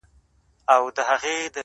د بدرنگ رهبر نظر کي را ايسار دی_